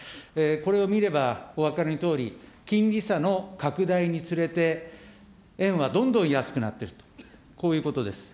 これを見れば、お分かりのとおり、金利差の拡大につれて、円はどんどん安くなっていると、こういうことです。